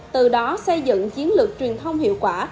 từ đó xây dựng chiến lược truyền thông hiệu quả